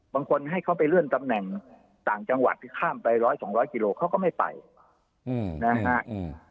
บางคนให้เขาไปเลื่อนตำแหน่งต่างจังหวัดที่ข้ามไปร้อยสองร้อยกิโลเขาก็ไม่ไปนะฮะ